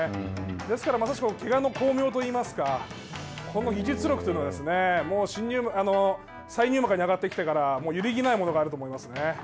ですから、まさしくけがの功名といいますかこの技術力というのは再入幕で上がってきてから揺るぎないものがあると思いますね。